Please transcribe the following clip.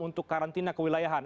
untuk karantina kewilayahan